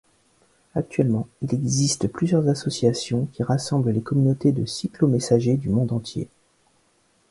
Actuellement, il existe plusieurs associations qui rassemblent les communautés de cyclomessagers du monde entier.